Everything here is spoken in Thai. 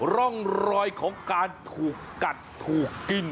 ร่องรอยของการถูกกัดถูกกิน